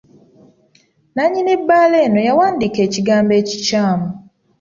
Nannyini bbaala eno yawandiika ekigambo ekikyamu.